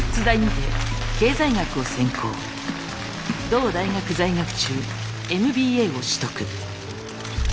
同大学在学中ＭＢＡを取得。